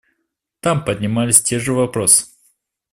Там поднимались те же вопросы.